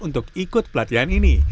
untuk ikut pelatihan ini